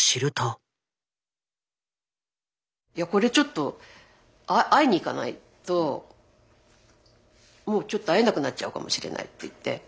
いやこれちょっと会いに行かないともうちょっと会えなくなっちゃうかもしれないっていって。